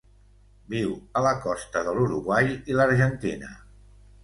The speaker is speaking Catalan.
Viu a la costa de l'Uruguai i l'Argentina.